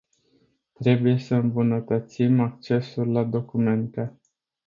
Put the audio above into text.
Trebuie să îmbunătățim accesul la documente.